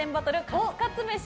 カツカツ飯。